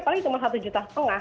paling cuma satu lima juta